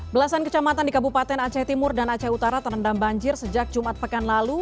belasan kecamatan di kabupaten aceh timur dan aceh utara terendam banjir sejak jumat pekan lalu